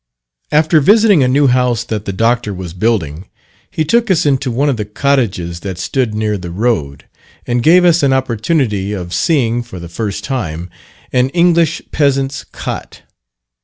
After visiting a new house that the Doctor was building, he took us into one of the cottages that stood near the road, and gave us an opportunity, of seeing, for the first time, an English peasant's cot.